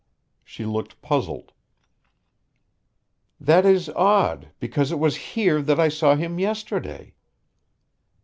She looked puzzled. "That is odd, because it was here that I saw him yesterday."